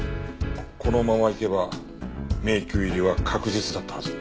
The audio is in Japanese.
このままいけば迷宮入りは確実だったはず。